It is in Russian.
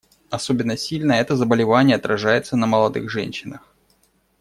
Особенно сильно это заболевание отражается на молодых женщинах.